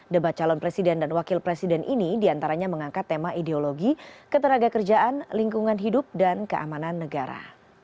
debat calon presiden dan wakil presiden ini diantaranya mengangkat tema ideologi ketenaga kerjaan lingkungan hidup dan keamanan negara